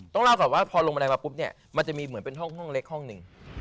เล่าก่อนว่าพอลงบันไดมาปุ๊บเนี่ยมันจะมีเหมือนเป็นห้องเล็กห้องหนึ่ง